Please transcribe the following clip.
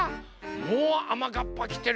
もうあまがっぱきてるの？